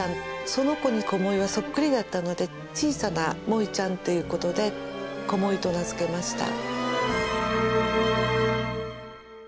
その子にコモイはそっくりだったので小さなモイちゃんということでコモイと名付けました。